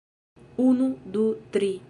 Unu... du... tri...